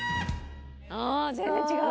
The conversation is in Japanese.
全然違う。